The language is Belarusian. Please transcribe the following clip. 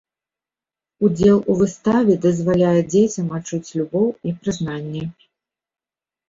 Удзел у выставе дазваляе дзецям адчуць любоў і прызнанне.